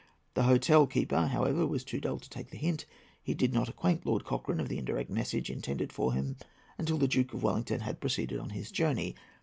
The hotel keeper, however, was too dull to take the hint. He did not acquaint Lord Cochrane of the indirect message intended for him until the Duke of Wellington had proceeded on his journey.